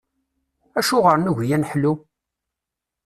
Acuɣer nugi ad neḥlu?